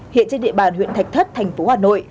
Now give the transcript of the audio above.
hiện trên địa bàn huyện thạch thất thành phố hà nội